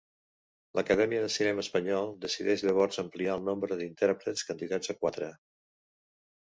L'Acadèmia de Cinema Espanyol decideix llavors ampliar el nombre d'intèrprets candidats a quatre.